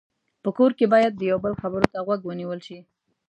په کور کې باید د یو بل خبرو ته غوږ ونیول شي.